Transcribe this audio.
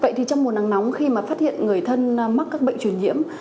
vậy thì trong mùa nắng nóng khi mà phát hiện người thân mắc các bệnh truyền nhiễm